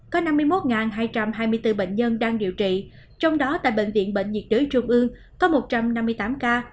có năm mươi một hai trăm hai mươi bốn bệnh nhân đang điều trị trong đó tại bệnh viện bệnh nhiệt đới trung ương có một trăm năm mươi tám ca